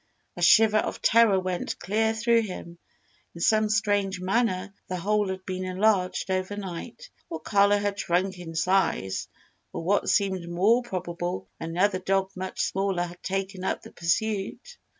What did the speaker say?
A shiver of terror went clear through him. In some strange manner the hole had been enlarged over night, or Carlo had shrunk in size, or what seemed more probable, another dog much smaller had taken up the pursuit.